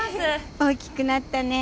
大きくなったね。